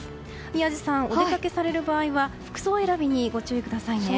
宮司さん、お出かけされる場合は服装選びにご注意くださいね。